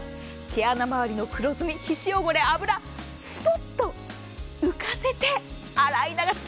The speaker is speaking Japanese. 毛穴周りの黒ずみ、皮脂汚れ、脂すぽっと浮かせて洗い流す。